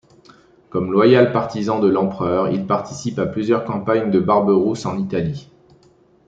Comme loyal partisan de l'Empereur il participe à plusieurs campagnes de Barberousse en Italie.